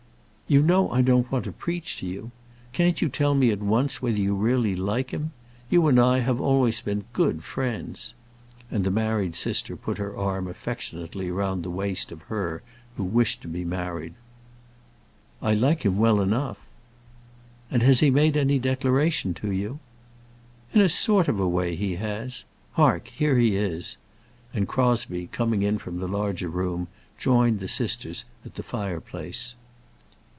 "You know I don't want to preach to you. Can't you tell me at once whether you really like him? You and I have always been good friends." And the married sister put her arm affectionately round the waist of her who wished to be married. "I like him well enough." "And has he made any declaration to you?" "In a sort of a way he has. Hark, here he is!" And Crosbie, coming in from the larger room, joined the sisters at the fireplace.